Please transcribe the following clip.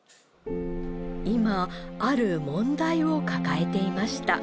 今ある問題を抱えていました。